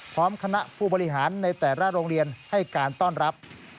พร้อมคณะผู้บริหารในแต่ละโรงเรียนให้การต้อนรับ